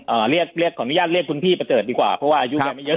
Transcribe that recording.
เรียกเรียกขออนุญาตเรียกคุณพี่ประเสริฐดีกว่าเพราะว่าอายุยังไม่เยอะ